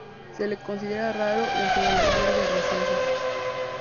Se lo considera "raro" dentro de la guía de rarezas.